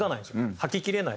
吐ききれない。